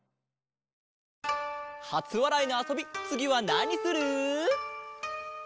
はつわらいのあそびつぎはなにする？